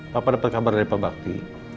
papa dapat kabar dari pak bakti